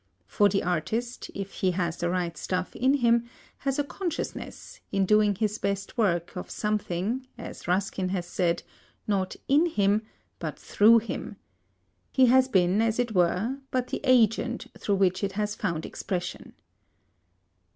For the artist, if he has the right stuff in him, has a consciousness, in doing his best work, of something, as Ruskin has said, "not in him but through him." He has been, as it were, but the agent through which it has found expression.